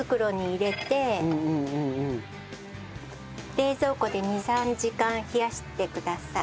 冷蔵庫で２３時間冷やしてください。